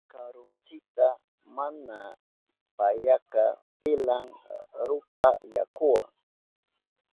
Karuntsita mama payaka pilan rupa yakuwa.